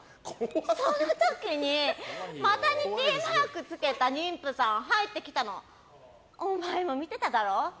その時にマタニティーマークつけた妊婦さん入ってきたのお前も見てただろ？